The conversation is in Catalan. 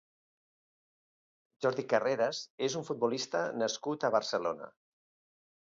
Jordi Carreras és un futbolista nascut a Barcelona.